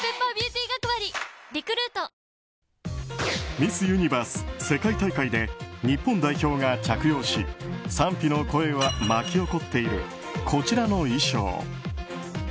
ミス・ユニバース世界大会で日本代表が着用し賛否の声が巻き起こっているこちらの衣装。